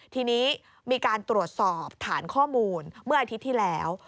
ทีนี้มีการตรวจสอบฐานข้อมูลเมื่ออาทิตย์ที่แล้ว